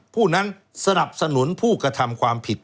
ผู้นั้นสนับสนุนผู้กระทำความผิด